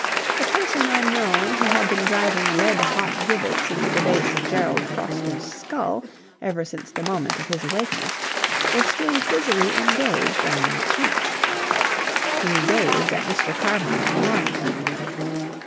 The person unknown who had been driving red hot rivets into the base of Gerald Foster's skull ever since the moment of his awakening was still busily engaged on that task. He gazed at Mr. Carmyle wanly.